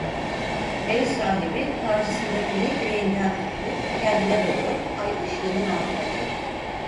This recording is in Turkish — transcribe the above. Ev sahibi karşısındakini bileğinden tuttu, kendine doğru, ay ışığının altına çekti.